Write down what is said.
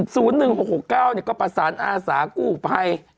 ซึ่ง๐๑๖๖๙ก็ประซานอาศาคุกภัย